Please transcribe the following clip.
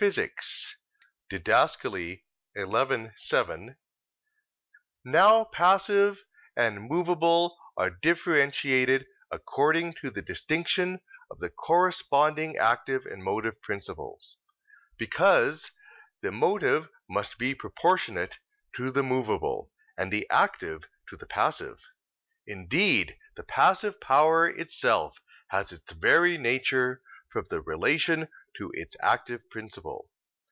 _ xii (Did. xi, 7). Now things passive and movable are differentiated according to the distinction of the corresponding active and motive principles; because the motive must be proportionate to the movable, and the active to the passive: indeed, the passive power itself has its very nature from its relation to its active principle.